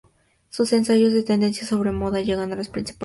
Sus ensayos de tendencias sobre moda llegan a las principales marcas.